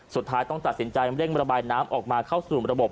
สุดท้ายต้องตัดสินใจเร่งระบายน้ำออกมาเข้าสู่ระบบ